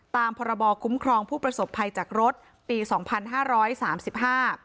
พรบคุ้มครองผู้ประสบภัยจากรถปีสองพันห้าร้อยสามสิบห้า